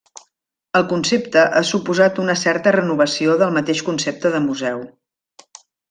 El concepte ha suposat una certa renovació del mateix concepte de museu.